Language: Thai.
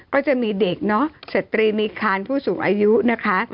ก็จะมีเด็กเนอะสตรีมีคารผู้สูงอายุนะคะ